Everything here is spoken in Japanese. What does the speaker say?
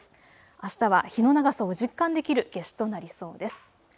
あしたは日の長さを実感できる夏至となりそうです。